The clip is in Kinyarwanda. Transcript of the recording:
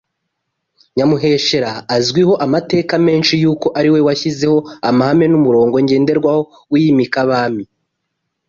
Nyamuheshera azwiho amateka menshi yuko ariwe washyizeho amahame n’umurongo ngenderwaho w’iyimika-Bami